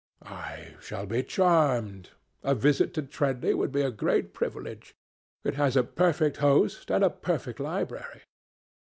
"I shall be charmed. A visit to Treadley would be a great privilege. It has a perfect host, and a perfect library."